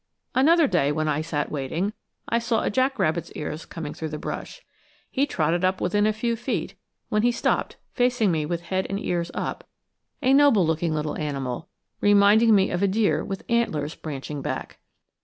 Another day, when I sat waiting, I saw a jack rabbit's ears coming through the brush. He trotted up within a few feet, when he stopped, facing me with head and ears up; a noble looking little animal, reminding me of a deer with antlers branching back.